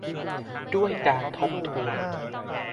ด้วยการทบทวน